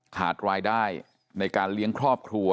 ขาดรายได้ในการเลี้ยงครอบครัว